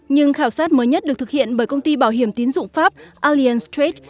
nhưng khảo sát mới nhất được thực hiện bởi công ty bảo hiểm tín dụng pháp l orientate